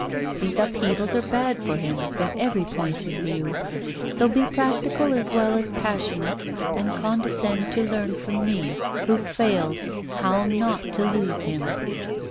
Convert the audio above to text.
These upheavals are bad for him, from every point of view. So be practical as well as passionate, and condescend to learn from me, who failed, how not to lose him.